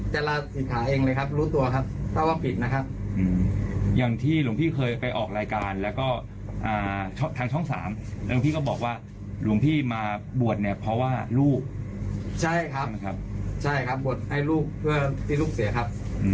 ใช่ครับใช่ครับบวชให้ลูกเพื่อที่ลูกเสียครับ